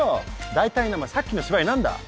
大体なお前さっきの芝居何だ？